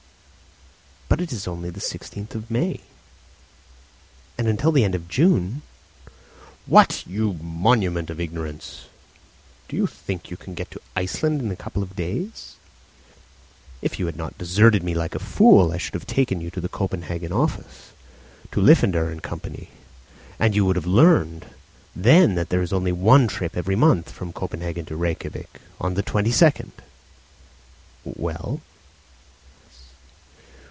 "But it is only the 16th May, and until the end of June " "What, you monument of ignorance! do you think you can get to Iceland in a couple of days? If you had not deserted me like a fool I should have taken you to the Copenhagen office, to Liffender & Co., and you would have learned then that there is only one trip every month from Copenhagen to Rejkiavik, on the 22nd." "Well?"